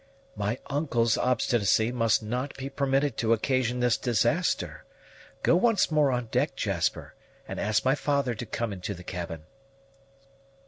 "My uncle's obstinacy must not be permitted to occasion this disaster. Go once more on deck, Jasper; and ask my father to come into the cabin."